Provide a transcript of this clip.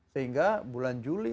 sehingga bulan juli